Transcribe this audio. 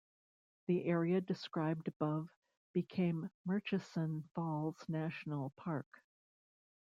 The area described above became Murchison Falls National Park.